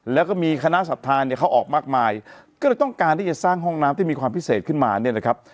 แล้วก็มีคณะศรัทธาเนี่ยเขาออกมากมายก็เลยต้องการที่จะสร้างห้องน้ำที่มีความพิเศษขึ้นมาเนี่ยนะครับ